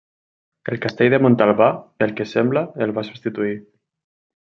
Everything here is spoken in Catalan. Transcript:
El Castell de Montalbà, pel que sembla, el va substituir.